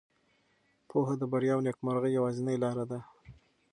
پوهه د بریا او نېکمرغۍ یوازینۍ لاره ده.